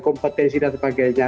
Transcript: kompetensi dan sebagainya